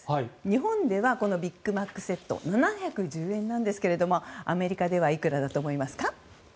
日本ではこのビッグマックセット７１０円なんですけれどもアメリカではいくらだと思いますか？